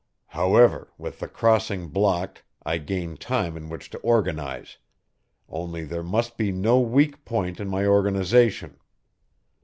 However, with the crossing blocked, I gain time in which to organize only there must be no weak point in my organization.